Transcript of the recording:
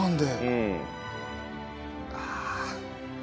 うん。